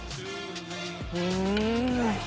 うん！